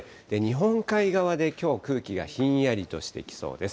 日本海側できょう空気がひんやりとしてきそうです。